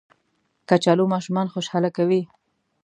کچالو ماشومان خوشحاله کوي